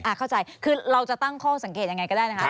เข้าใจคือเราจะตั้งข้อสังเกตยังไงก็ได้นะคะ